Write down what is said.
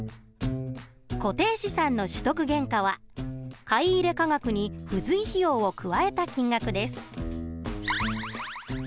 固定資産の取得原価は買入価額に付随費用を加えた金額です。